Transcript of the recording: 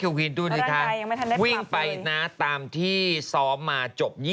วิ่งไปนะตามที่ซ้อมมา